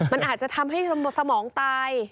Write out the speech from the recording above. มันอาจจะทำให้สมองตาย